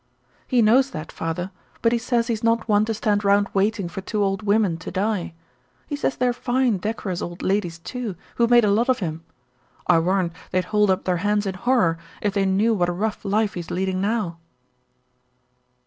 "He knows that, father, but he says he's not one to stand round waiting for two old women to die. He says they're fine, decorous old ladies, too, who made a lot of him. I warrant they'd hold up their hands in horror if they knew what a rough life he's leading now."